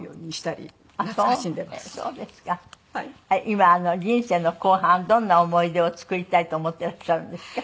今人生の後半どんな思い出を作りたいと思っていらっしゃるんですか？